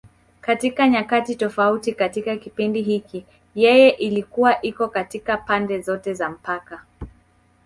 Katika nyakati tofauti katika kipindi hiki, yeye ilikuwa iko katika pande zote za mpaka.